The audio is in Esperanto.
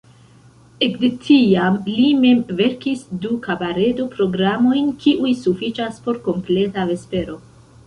Ekde tiam li mem verkis du kabaredo-programojn kiuj sufiĉas por kompleta vespero.